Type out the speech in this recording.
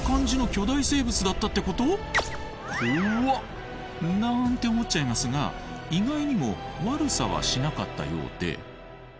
怖っ！なんて思っちゃいますが意外にも悪さはしなかったようで。